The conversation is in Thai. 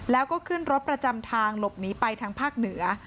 แล้วก็ขึ้นรถประจำทางหลบหนีไปทางภาคเหนือ